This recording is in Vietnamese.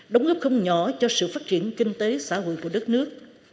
đóng góp không nhỏ cho sự phát triển kinh tế xã hội của đất nước